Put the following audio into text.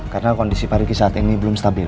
karena kondisi pak riki saat ini belum stabil